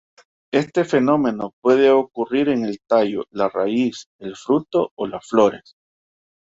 Este fenómeno puede ocurrir en el tallo, la raíz, el fruto o las flores.